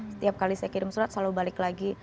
setiap kali saya kirim surat selalu balik lagi